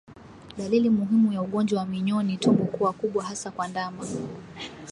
Dalili muhimu ya ugonjwa wa minyoo ni tumbo kuwa kubwa hasa kwa ndama